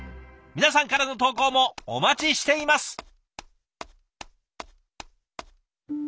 皆さんからの投稿もお待ちしています。